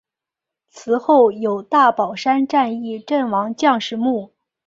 祠后有大宝山战役阵亡将士墓。